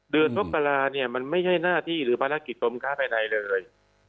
มกราเนี่ยมันไม่ใช่หน้าที่หรือภารกิจกรมค้าภายในเลย